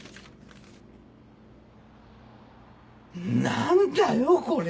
何だよこれ。